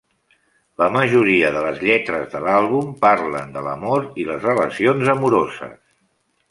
La majoria de les lletres de l'àlbum parlen de l'amor i les relacions amoroses.